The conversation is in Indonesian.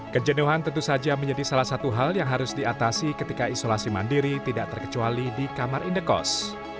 kejenuhan tentu saja menjadi salah satu hal yang harus diatasi ketika isolasi mandiri tidak terkecuali di kamar indekos